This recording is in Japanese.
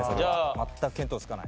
全く見当つかない。